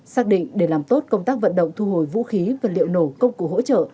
xác định để làm tốt công tác vận động thu hồi vũ khí vật liệu nổ công cụ hỗ trợ